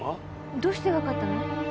どうしてわかったの？